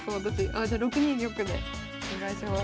あじゃあ６二玉でお願いします。